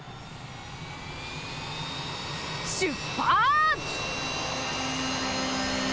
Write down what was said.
しゅっぱつ！